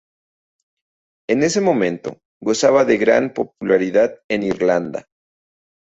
En ese momento gozaba de gran popularidad en Irlanda.